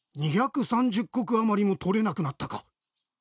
２３０石余りもとれなくなったか。